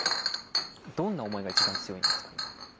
どんな思いが一番強いんですか今。